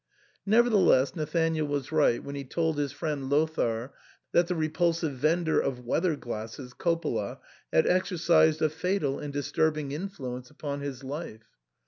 Nevertheless Nathanael was right when he told his friend Lothair that the repulsive vendor of weather glasseSy Coppola, had exercised a fatal and disturbing influence upon his life.